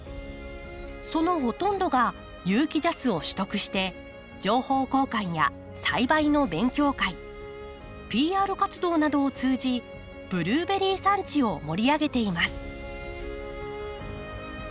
そのほとんどが有機ＪＡＳを取得して情報交換や栽培の勉強会ＰＲ活動などを通じブルーベリー産地を盛り上げています。